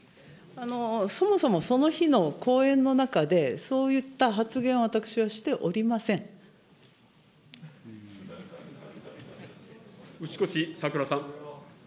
そもそもその日の講演の中で、そういった発言を私はしておりま打越さく良さん。